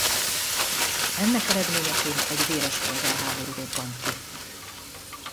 Ennek eredményeként egy véres polgárháború robbant ki.